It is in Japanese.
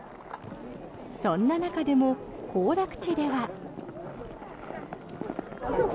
そんな中でも行楽地では。